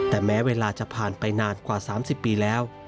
แต่แม้เวลาจะผ่านไปนานกว่า๓๐ปีแล้ว